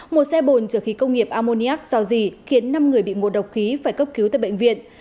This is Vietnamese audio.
một xe bồn chở khí công nghiệp ammoniac do gì khiến năm người bị ngộ độc khí phải cấp cứu tại bệnh viện